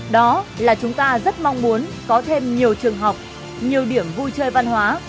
đó là chúng ta rất mong muốn có thêm nhiều trường học nhiều điểm vui chơi văn hóa